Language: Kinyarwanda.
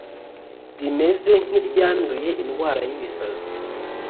rimeze nk iryanduye indwara y ibisazi